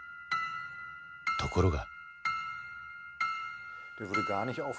ところが。